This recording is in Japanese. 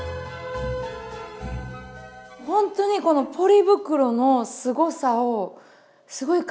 ほんとにこのポリ袋のすごさをすごい感じました。